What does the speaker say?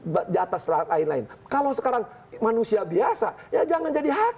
karena dia harus lebih oke ketika masa tuhan yang di atas lain lain kalau sekarang manusia biasa ya jangan jadi hakim